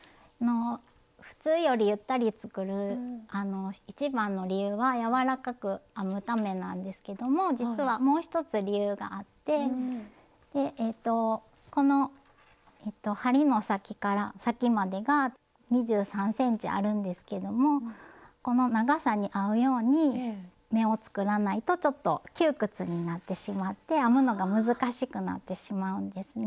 普通よりゆったり作る一番の理由は柔らかく編むためなんですけども実はもう一つ理由があってこの針の先から先までが２３ｃｍあるんですけどもこの長さに合うように目を作らないとちょっと窮屈になってしまって編むのが難しくなってしまうんですね。